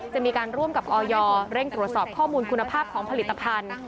จะมีการร่วมกับออยเร่งตรวจสอบข้อมูลคุณภาพของผลิตภัณฑ์